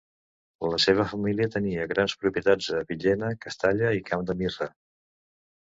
La seva família tenia grans propietats a Villena, Castalla i Camp de Mirra.